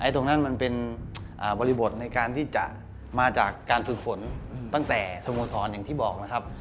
ตรงนั้นมันเป็นบริบทในการที่จะมาจากการฝึกฝนตั้งแต่สโมสรอย่างที่บอกนะครับ